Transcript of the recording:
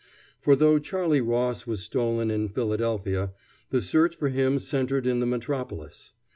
For though Charley Ross was stolen in Philadelphia, the search for him centered in the metropolis.